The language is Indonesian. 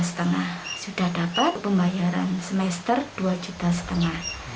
sudah dapat pembayaran semester dua lima juta